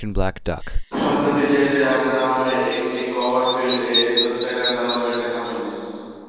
সম্প্রতি J, J, আব্রাহামের ছবি ক্লোভারফিল্ড-এ দৈত্যাকার দানবের দেখা মেলে।